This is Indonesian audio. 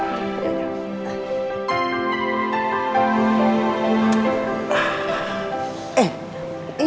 nanti juga roman kesini